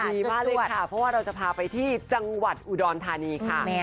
ดีมากเลยค่ะเพราะว่าเราจะพาไปที่จังหวัดอุดรธานีค่ะ